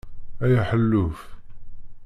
Ay aḥelluf!